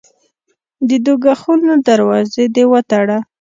د دوږخونو دروازې دي وتړه.